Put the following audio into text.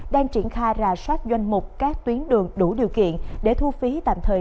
đang triển khai ra soát doanh mục các tuyến đường đủ điều kiện để thu phí tạm thời